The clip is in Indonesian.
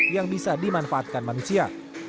yang bisa dimanfaatkan manusia